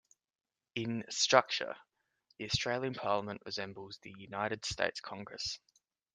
In "structure", the Australian Parliament resembles the United States Congress.